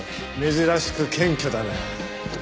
珍しく謙虚だな。